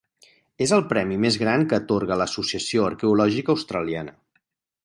És el premi més gran que atorga l'Associació Arqueològica Australiana.